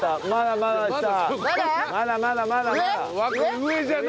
まだまだまだまだ。